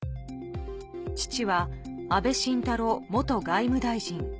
父は安倍晋太郎元外務大臣。